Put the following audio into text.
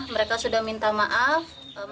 mereka sudah minta maaf